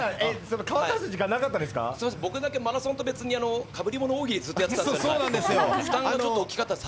僕だけマラソンと別にかぶりもの大喜利をやってたので負担が大きかったです。